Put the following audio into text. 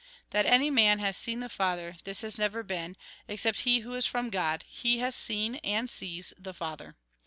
" That any man has seen the Father, this has never been, except he who is from God ; he has seen, and sees, the Father.